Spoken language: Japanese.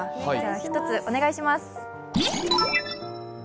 １つお願いします。